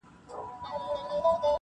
خالقه ورځي څه سوې توري شپې دي چي راځي-